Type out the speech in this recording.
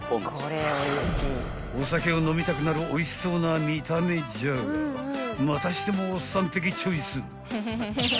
［お酒を飲みたくなるおいしそうな見た目じゃがまたしても］